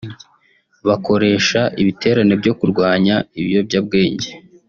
bakoresha ibiterane byo kurwanya ibiyobyabwenge